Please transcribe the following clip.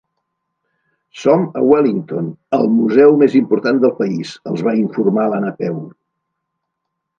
Som a Wellington, al museu més important del país —els va informar la Napeu—.